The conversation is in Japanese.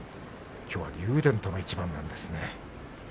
きょうは竜電との一番です。